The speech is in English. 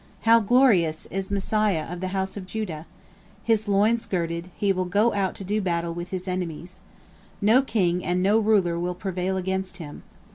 How glorious is Messiah of the House of Judah! His loins girded, he will go out to do battle with his enemies. No king and no ruler will prevail against him.